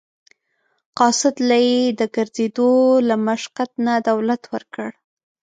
قاصد له یې د ګرځېدو له مشقت نه دولت ورکړ.